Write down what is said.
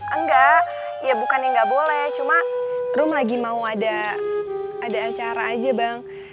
enggak ya bukan yang nggak boleh cuma rum lagi mau ada acara aja bang